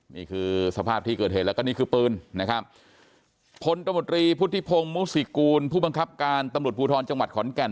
นี่คือสภาพที่เกิดเหตุแล้วก็นี่คือปืนนะครับพลตมตรีพุทธิพงศ์มุสิกูลผู้บังคับการตำรวจภูทรจังหวัดขอนแก่น